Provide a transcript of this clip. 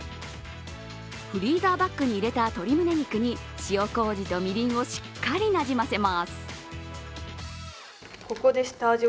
フリーザーバッグに入れた鶏むね肉に塩こうじとみりんをしっかりなじませます。